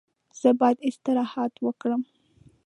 زه باید استراحت وکړم.